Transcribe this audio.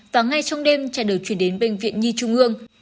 và ngay trong đêm trẻ được chuyển đến bệnh viện nhi trung ương